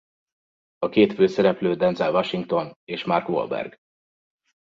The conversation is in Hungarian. A két főszereplő Denzel Washington és Mark Wahlberg.